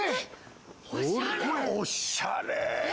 おしゃれ！